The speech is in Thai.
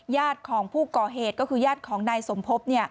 ญาติของผู้ก่อเหตุก็คือญาติของนายสมภพ